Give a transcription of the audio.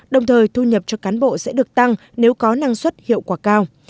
đồng thời thu nhập cho cán bộ sẽ được tăng nếu có năng suất hiệu quả cao